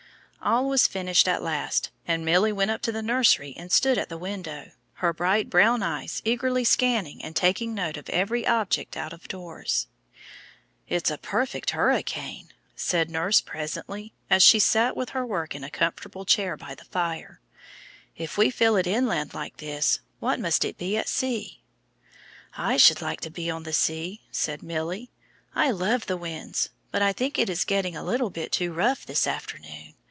All was finished at last, and Milly went up to the nursery and stood at the window, her bright brown eyes eagerly scanning and taking note of every object out of doors. "It's a perfect hurricane," said nurse, presently, as she sat with her work in a comfortable chair by the fire. "If we feel it inland like this, what must it be at sea!" "I should like to be on the sea," said Milly. "I love the wind, but I think it is getting a little bit too rough this afternoon.